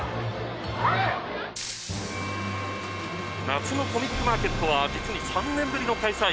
夏のコミックマーケットは実に３年ぶりの開催。